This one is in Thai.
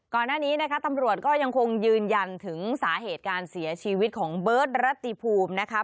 ก่อนหน้านี้นะคะตำรวจก็ยังคงยืนยันถึงสาเหตุการเสียชีวิตของเบิร์ตรัติภูมินะคะ